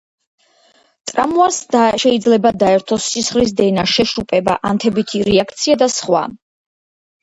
ტრავმას შეიძლება დაერთოს სისხლის დენა, შეშუპება, ანთებითი რეაქცია და სხვა.